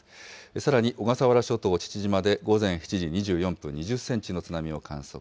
さらに小笠原諸島父島で午前７時２４分、２０センチの津波を観測。